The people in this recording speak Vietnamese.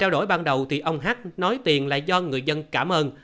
mới ban đầu thì ông h nói tiền là do người dân cảm ơn